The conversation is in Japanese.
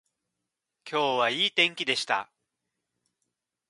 今日はいい天気でした